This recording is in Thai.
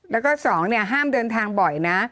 แล้วก็สองเนี่ยห้ามเดินทางบ่อยนะ